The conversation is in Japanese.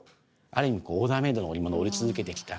ある意味オーダーメイドの織物を織り続けて来た。